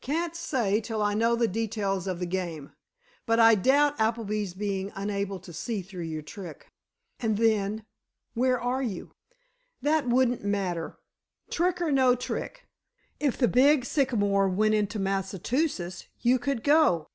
"Can't say, till I know the details of the game. But I doubt Appleby's being unable to see through your trick, and then—where are you?" "That wouldn't matter. Trick or no trick, if the big sycamore went into Massachusetts, you could go.